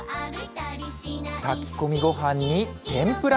炊き込みごはんに天ぷら。